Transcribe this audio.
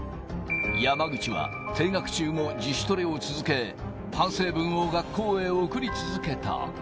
山口は、停学中も自主トレを続け、反省文を学校へ送り続けた。